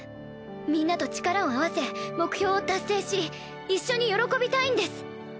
みんなと力を合わせ目標を達成し一緒に喜びたいんです